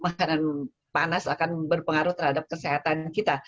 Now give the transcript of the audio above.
makanan panas akan berpengaruh terhadap kesehatan kita